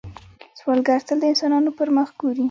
سوالګر تل د انسانانو پر مخ ګوري